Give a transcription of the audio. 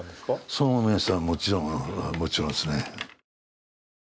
そう思いましたね、もちろんですね。